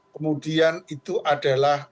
kemudian itu adalah